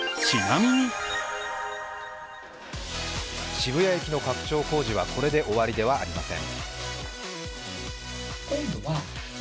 渋谷駅の拡張工事はこれで終わりではありません。